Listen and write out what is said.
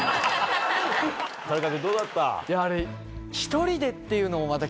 田中君どうだった？